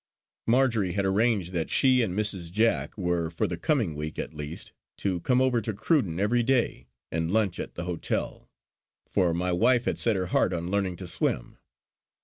Marjory had arranged that she and Mrs. Jack were for the coming week at least, to come over to Cruden every day, and lunch at the hotel; for my wife had set her heart on learning to swim.